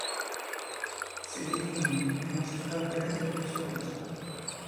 Seghedino è la città ungherese più soleggiata.